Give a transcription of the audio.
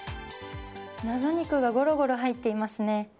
謎肉がゴロゴロ入っていますね。